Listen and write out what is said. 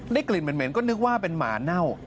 กลิ่นเหม็นก็นึกว่าเป็นหมาเน่า